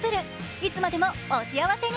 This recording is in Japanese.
いつまでもお幸せに。